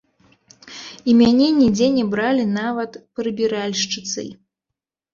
І мяне нідзе не бралі нават прыбіральшчыцай.